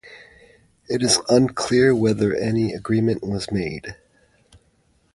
It is unclear whether any agreement was made.